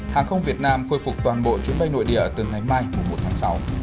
hàng không việt nam khôi phục toàn bộ chuyến bay nội địa từ ngày mai mùa một tháng sáu